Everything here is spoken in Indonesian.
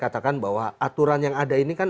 katakan bahwa aturan yang ada ini kan